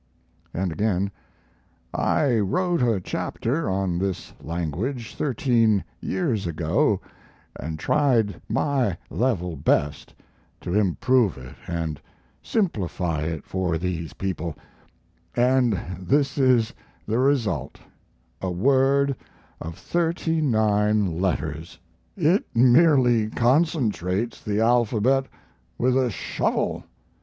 And again: I wrote a chapter on this language 13 years ago and tried my level best to improve it and simplify it for these people, and this is the result a word of thirty nine letters. It merely concentrates the alphabet with a shovel.